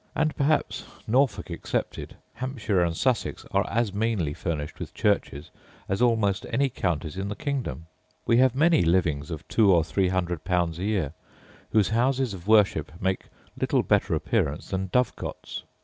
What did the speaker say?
And perhaps, Norfolk excepted, Hampshire and Sussex are as meanly furnished with churches as almost any counties in the kingdom. We have many livings of two or three hundred pounds a year, whose houses of worship make little better appearance than dovecots.